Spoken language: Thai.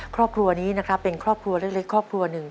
ครอบครัวนี้นะครับเป็นครอบครัวเล็กครอบครัวหนึ่ง